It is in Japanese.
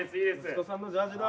息子さんのジャージだ。